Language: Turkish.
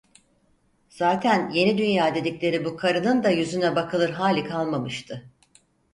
Zaten Yeni Dünya dedikleri bu karının da yüzüne bakılır hali kalmamıştı.